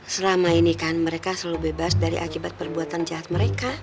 selama ini kan mereka selalu bebas dari akibat perbuatan jahat mereka